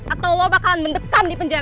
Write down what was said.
atau lo bakalan mendekam di penjara